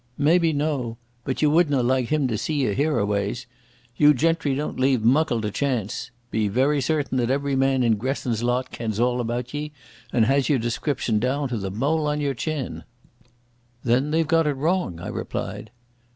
"Maybe no. But ye wouldna like him to see ye hereaways. Yon gentry don't leave muckle to chance. Be very certain that every man in Gresson's lot kens all about ye, and has your description down to the mole on your chin." "Then they've got it wrong," I replied.